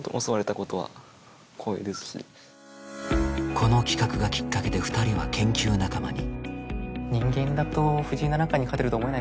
この企画がきっかけで２人は研究仲間に。